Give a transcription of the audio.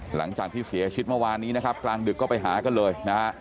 หลังจากที่เสียชีวิตเมื่อวานนี้นะครับกลางดึกก็ไปหากันเลยนะฮะ